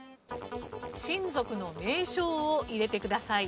親族の名称を入れてください。